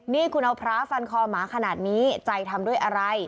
นี่คุณเอาพระฟันคอหมาขนาดนี้ใจทำด้วยอะไร